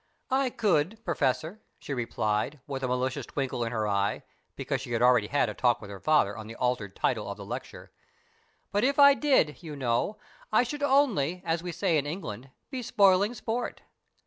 "I could, Professor," she replied, with a malicious twinkle in her eye, because she had already had a talk with her father on the altered title of the lecture, "but if I did, you know, I should only, as we say in England, be spoiling sport.